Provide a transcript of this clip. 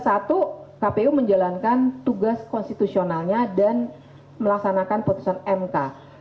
satu kpu menjalankan tugas konstitusionalnya dan melaksanakan putusan mk